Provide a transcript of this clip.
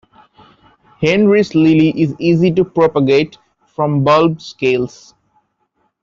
Henry's lily is easy to propagate from bulb scales.